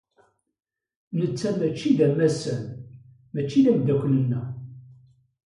Netta maci d amassan, maca d ameddakel-nneɣ.